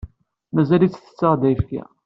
Mazal-itt tettaɣ-d ayefki.